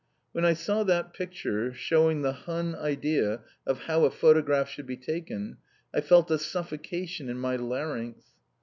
When I saw that picture, showing the Hun idea of how a photograph should be taken, I felt a suffocation in my larynx.